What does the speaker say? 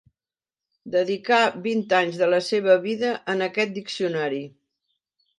Dedicà vint anys de la seva vida en aquest diccionari.